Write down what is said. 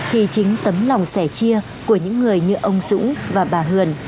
thì chính tấm lòng sẻ chia của những người như ông dũng và bà hường